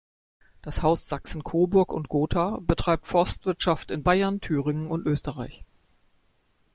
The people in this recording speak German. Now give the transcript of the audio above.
Das Haus Sachsen-Coburg und Gotha betreibt Forstwirtschaft in Bayern, Thüringen und Österreich.